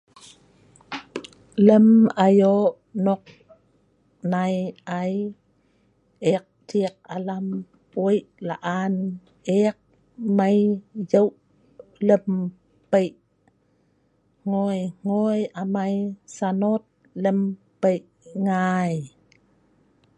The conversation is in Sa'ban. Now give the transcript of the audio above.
Lem ayo nok nai ai, eek ciek alam weik laan eek mai njuk lem pei, hngoi hngoi amai sanot lem peik ngai